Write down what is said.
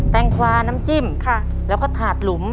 แงควาน้ำจิ้มแล้วก็ถาดหลุม